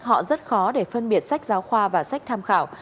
họ rất khó để phân biệt sách giáo khoa và sách tham khảo